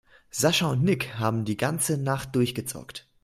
Sascha und Nick haben die ganze Nacht durchgezockt.